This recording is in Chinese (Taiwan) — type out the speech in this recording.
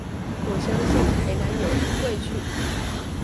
我相信台南有人會去